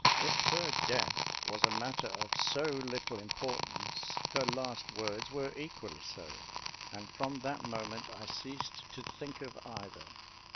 If her death was a matter of so little importance, her last words were equally so; and from that moment I ceased to think of either.